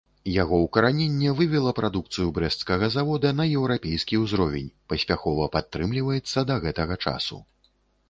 Яго ўкараненне вывела прадукцыю брэсцкага завода на еўрапейскі ўзровень, паспяхова падтрымліваецца да гэтага часу.